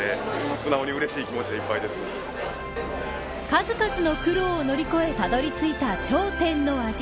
数々の苦労を乗り越えたどり着いた頂点の味。